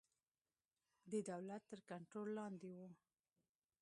د دولت تر کنټرول لاندې وو.